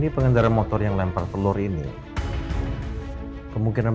apes tante jessy juga sama rikie seorang kelepasan